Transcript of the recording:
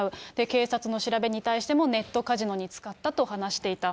警察の調べに対しても、ネットカジノに使ったと話していた。